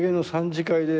３次会で！？